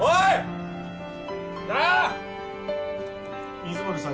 水森さん